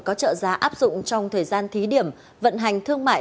có trợ giá áp dụng trong thời gian thí điểm vận hành thương mại